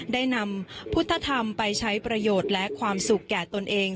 ได้นำพุทธธรรมไปใช้ประโยชน์และความสุขแก่ตนเอง